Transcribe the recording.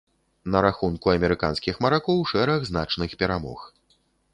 На рахунку амерыканскіх маракоў шэраг значных перамог.